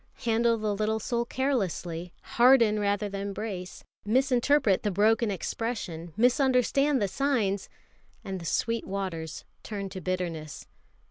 Handle the little soul carelessly, harden rather than brace, misinterpret the broken expression, misunderstand the signs and the sweet waters turn to bitterness.